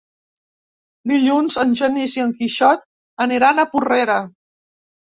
Dilluns en Genís i en Quixot aniran a Porrera.